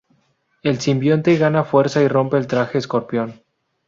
El simbionte gana fuerza y rompe el traje Escorpión.